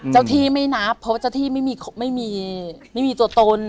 เจ้าที่ไม่นับเพราะว่าเจ้าที่ไม่มีไม่มีตัวตน